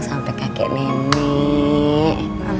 sampai kakek nenek